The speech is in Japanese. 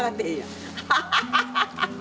ハハハハハ！